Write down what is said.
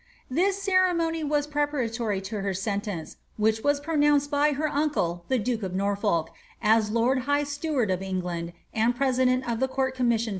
^ This ceremony was preparatory to her sentence, which was pro nounced by her uncle, the duke of Norfolk, as lord high steward of England and president of the court commissioned for her trial.